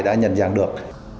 đã nhận dạng được